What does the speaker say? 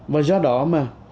và do đó mà